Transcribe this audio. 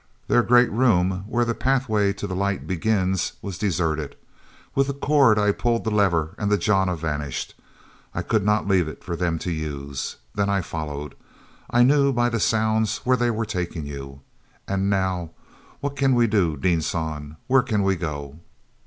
Their great room, where the Pathway to the Light begins, was deserted. With a cord I pulled the lever, and the jana vanished. I could not leave it for them to use. Then I followed—I knew by the sounds where they were taking you. And now, what can we do, Dean San? Where can we go?"